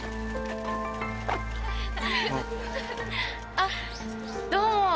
あっどうも。